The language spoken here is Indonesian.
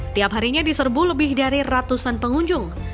tiap harinya diserbu lebih dari ratusan pengunjung